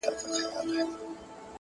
o موږ ته تر سهاره چپه خوله ناست وي.